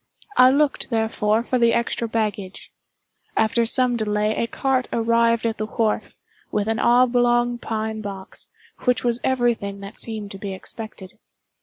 I looked, therefore, for the extra baggage. After some delay, a cart arrived at the wharf, with an oblong pine box, which was every thing that seemed to be expected.